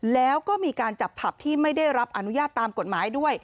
แล้วก็มีการจับผับที่ไม่ได้รับอนุญาตตามกฎหมายด้วย